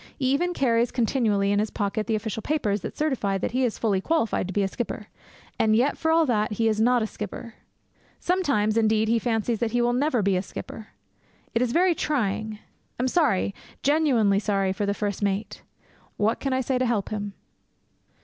He even carries continually in his pocket the official papers that certify that he is fully qualified to be a skipper. And yet, for all that, he is not a skipper. Sometimes, indeed, he fancies that he will never be a skipper. It is very trying. I am sorry genuinely sorry for the first mate. What can I say to help him?